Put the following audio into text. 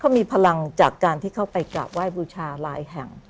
เขามีพลังจากการที่เข้าไปกราบไหว้บูชาหลายแห่ง